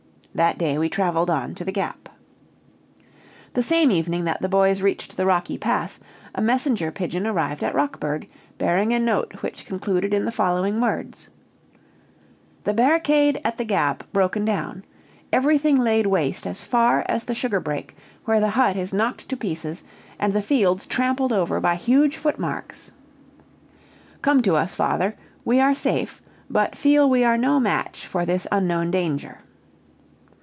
That day we traveled on to the Gap." The same evening that the boys reached the rocky pass, a messenger pigeon arrived at Rockburg, bearing a note which concluded in the following words: "The barricade at the Gap broken down. Everything laid waste as far as the sugar brake, where the hut is knocked to pieces, and the fields trampled over by huge footmarks. Come to us, father we are safe, but feel we are no match for this unknown danger."